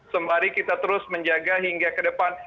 sembari kita terus menjaga hingga ke depan